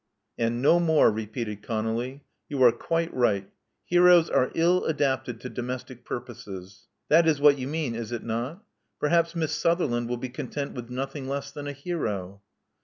And no more," repeated Conolly. "You are quite right. Heroes are ill adapted to domestic purposes. 3o8 Love Among the Artists That is what you mean, is it not? Perhaps Miss Sutherland will be content with nothing less than a hero."